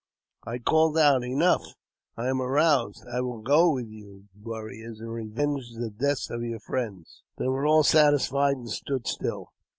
I called out, '* Enough ! I am aroused. I will go with yot warriors and revenge the death of your friends." They were all satisfied, and stood still.